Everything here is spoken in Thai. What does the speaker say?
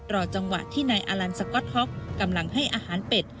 รอจังหวะที่นายอลันสก๊อตฮ็อกกำลังให้อาหารเป็ด